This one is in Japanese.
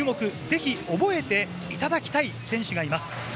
ぜひ覚えていただきたい選手がいます。